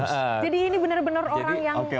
jadi ini benar benar orang yang biasa ya